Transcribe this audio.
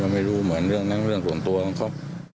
ไม่รู้เหมือนเรื่องนั้นเรื่องส่วนตัวของเขา